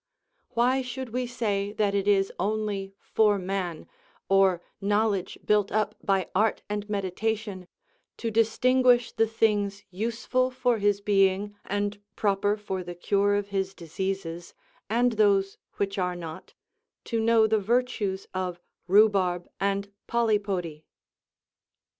Why should we say that it is only for man, or knowledge built up by art and meditation, to distinguish the things useful for his being, and proper for the cure of his diseases, and those which are not; to know the virtues of rhubarb and polypody.